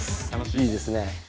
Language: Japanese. いいですね。